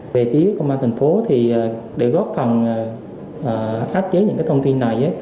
về phía công an thành phố thì để góp phần hạn chế những thông tin này